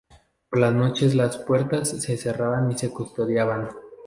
Por las noches las puertas se cerraban y se custodiaban.